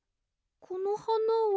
このはなは。